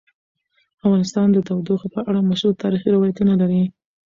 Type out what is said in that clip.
افغانستان د تودوخه په اړه مشهور تاریخی روایتونه لري.